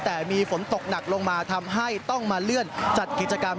แต่มีฝนตกหนักลงมาทำให้ต้องมาเลื่อนจัดกิจกรรม